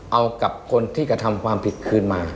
เอากับคนที่กระทำความผิดคืนมา